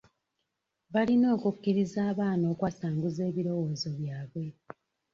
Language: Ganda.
Balina okukkiriza abaana okwasanguza ebirowoozo byabwe.